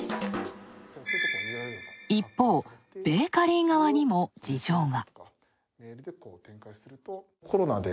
一方、ベーカリー側にも事情が。